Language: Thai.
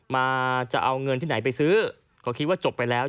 มาจะเอาเงินที่ไหนไปซื้อก็คิดว่าจบไปแล้ว